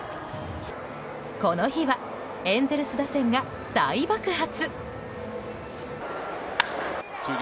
この日はエンゼルス打線が大爆発。